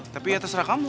tapi ya terserah kamu